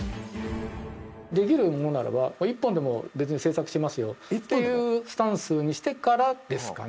できるものならば１本からでも製作しますよというスタンスにしてからですかね。